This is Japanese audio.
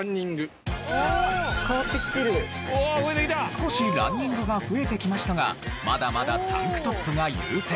少しランニングが増えてきましたがまだまだタンクトップが優勢。